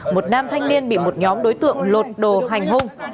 một nam thanh niên bị một nhóm đối tượng lột đồ hành hung